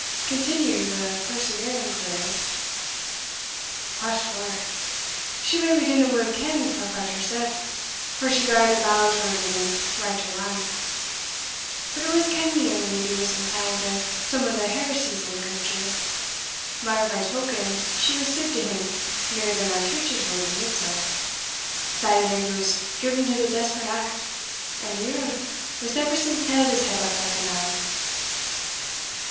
continued the persevering querist. "Fat for! she maybe didna weel ken for fat hersell, for she gar'd a' bow to her bidding, right or wrang But it was ken'd the young leddy was inclined to some o' the heresies of the country mair by token, she was sib to him nearer than our Church's rule admits of. Sae the leddy was driven to the desperate act, and the yerl has never since held his head up like a man."